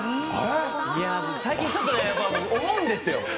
最近ちょっと思うんですよ。